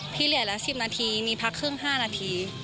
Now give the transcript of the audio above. ที่เหลือละ๑๐นาทีมีพักครึ่ง๕นาที